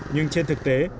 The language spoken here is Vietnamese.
nhưng trên thực tế